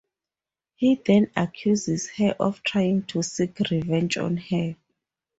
He then accuses her of trying to seek revenge on her.